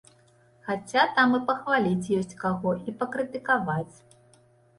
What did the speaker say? Хаця там і пахваліць ёсць каго, і пакрытыкаваць.